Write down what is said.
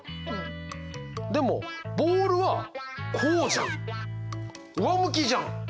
でもボールはこうじゃん。上向きじゃん！